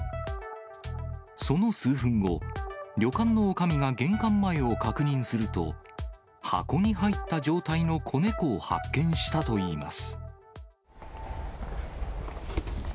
その数分後、旅館のおかみが玄関前を確認すると、箱に入った状態の子猫を発見したといいます。